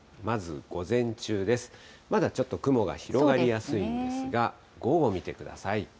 まだちょっと雲が広がりやすいですが、午後見てください。